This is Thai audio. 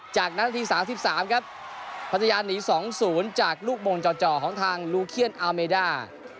จากนั้นนาที๓๓ครับพัทยาหนี๒๐จากลูกมงจ่อของทางลูเคียนอาเมด้า